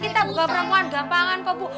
kita buka perempuan gampangan kok bu